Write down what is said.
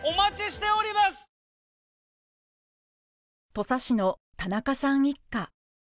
土佐市の田中さん一家。